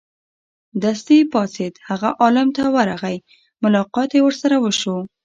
دستې پاڅېد هغه عالم ت ورغی ملاقات یې ورسره وشو.